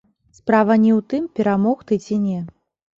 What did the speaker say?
Справа не ў тым, перамог ты ці не.